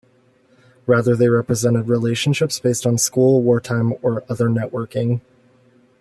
Rather, they represented relationships based on school, wartime or other networking.